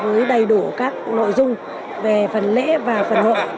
với đầy đủ các nội dung về phần lễ và phần hội